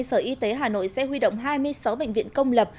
sở y tế hà nội sẽ huy động hai mươi sáu bệnh viện công lập